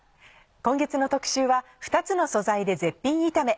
今月の特集は「２つの素材で絶品炒め」。